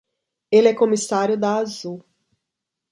Ele é comissário da Azul.